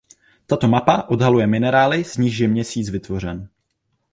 Tato mapa odhaluje minerály z nichž je Měsíc vytvořen.